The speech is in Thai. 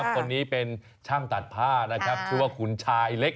คนนี้เป็นช่างตัดผ้านะครับชื่อว่าขุนชายเล็ก